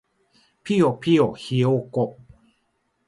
ぴよぴよひよこ